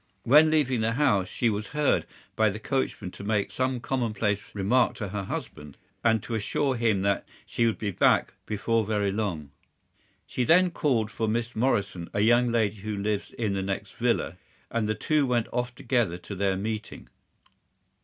When leaving the house she was heard by the coachman to make some commonplace remark to her husband, and to assure him that she would be back before very long. She then called for Miss Morrison, a young lady who lives in the next villa, and the two went off together to their meeting.